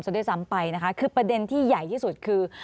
ด้วยซ้ำไปนะคะคือประเด็นที่ใหญ่ที่สุดคือ